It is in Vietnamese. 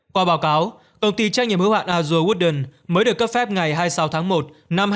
qua báo cáo công ty trách nhiệm hữu hạn azure wooden mới được cấp phép ngày hai mươi sáu tháng một năm hai nghìn hai mươi bốn